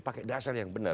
pakai dasar yang benar